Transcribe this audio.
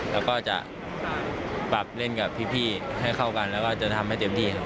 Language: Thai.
แล้วก็จะปรับเล่นกับพี่ให้เข้ากันแล้วก็จะทำให้เต็มที่ครับ